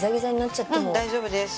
うん大丈夫です。